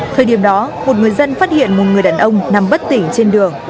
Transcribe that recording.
thời điểm đó một người dân phát hiện một người đàn ông nằm bất tỉnh trên đường